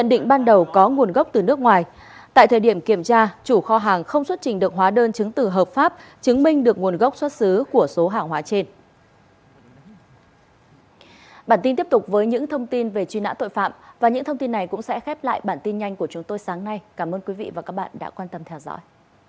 những thông tin về truy nã tội phạm và những thông tin này cũng sẽ khép lại bản tin nhanh của chúng tôi sáng nay cảm ơn quý vị và các bạn đã quan tâm theo dõi